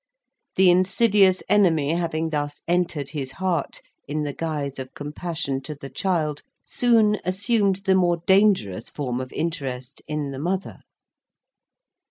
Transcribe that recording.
The insidious enemy having thus entered his heart, in the guise of compassion to the child, soon assumed the more dangerous form of interest in the mother.